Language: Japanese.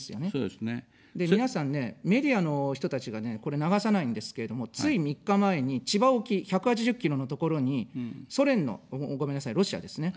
で、皆さんね、メディアの人たちがね、これ、流さないんですけれども、つい３日前に、千葉沖１８０ｋｍのところに、ソ連の、ごめんなさい、ロシアですね。